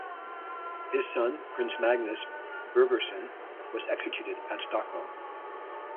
His son, Prince Magnus Birgersson, was executed at Stockholm.